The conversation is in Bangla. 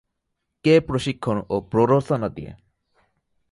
কে প্রশিক্ষণ ও প্ররোচনা দিয়ে?